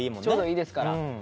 ちょうどいいですから。